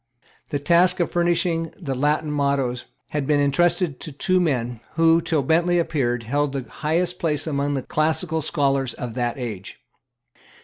The task of furnishing the Latin mottoes had been intrusted to two men, who, till Bentley appeared, held the highest place among the classical scholars of that age.